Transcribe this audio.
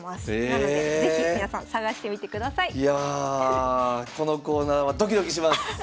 なのでいやこのコーナーはドキドキします！